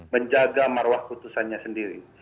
menjaga marwah putusannya sendiri